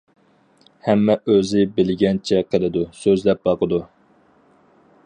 ھەممە ئۆزى بىلگەنچە قىلىدۇ، سۆزلەپ باقىدۇ.